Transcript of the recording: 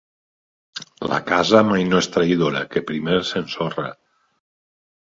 La casa mai no és traïdora, que primer s'ensorra.